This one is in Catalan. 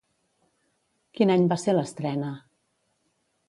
Quin any va ser l'estrena?